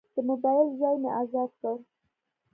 د موبایل ځای مې ازاد کړ.